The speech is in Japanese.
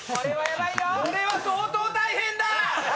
これは相当大変だ！